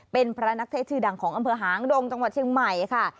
เป็นพระนักเทศชื่อดังของอำเภอหางดงจังหวัดเชียงใหม่ค่ะ